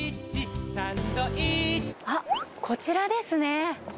あっ、こちらですね。